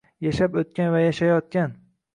Yashab oʼtgan va yashayotgan